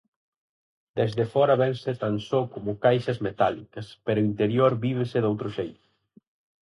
Desde fóra vense tan só como caixas metálicas, pero o interior vívese doutro xeito.